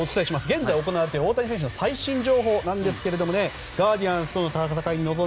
現在行われている大谷選手の最新情報ですがガーディアンズとの戦いです。